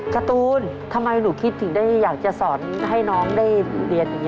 การ์ตูนทำไมหนูคิดถึงได้อยากจะสอนให้น้องได้เรียนอย่างนี้